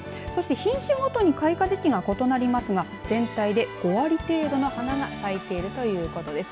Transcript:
品種ごとに買い替え時期が異なりますが全体で５割程度の花が咲いているということです。